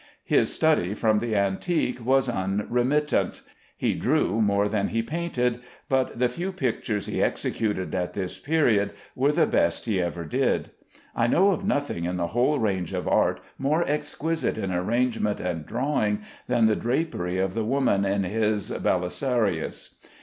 His study from the antique was unremittent. He drew more than he painted, but the few pictures he executed at this period were the best he ever did. I know of nothing in the whole range of art more exquisite in arrangement and drawing than the drapery of the woman in his "Belisarius."